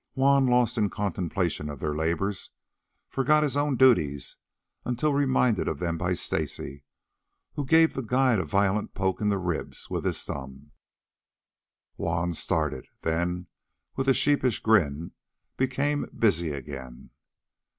Juan, lost in contemplation of their labors, forgot his own duties until reminded of them by Stacy, who gave the guide a violent poke in the ribs with his thumb. Juan started; then, with a sheepish grin, became busy again.